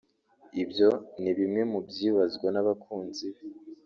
Ibyo ni bimwe mu byibazwa n'abakunzi be